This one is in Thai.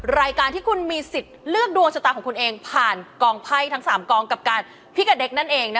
รายการที่คุณมีสิทธิ์เลือกดวงชะตาของคุณเองผ่านกองไพ่ทั้ง๓กองกับการพี่กับเด็กนั่นเอง